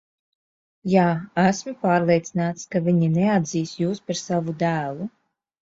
Jā, esmu pārliecināts, ka viņi neatzīs jūs par savu dēlu.